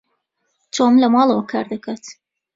تۆم لە ماڵەوە کار دەکات.